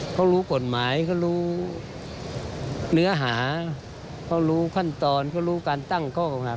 เขารู้กฎหมายเขารู้เนื้อหาเขารู้ขั้นตอนเขารู้การตั้งข้อเก่าหา